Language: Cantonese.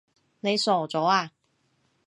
你傻咗呀？